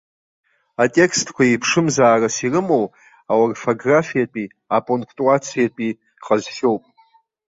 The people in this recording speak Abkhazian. Атекстқәа еиԥшымзаарас ирымоу аорфографиатәии апунктуациатәии ҟазшьоуп.